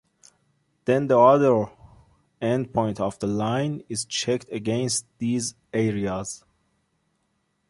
Then the other end point of the line is checked against these areas.